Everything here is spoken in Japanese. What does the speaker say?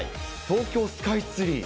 東京スカイツリー。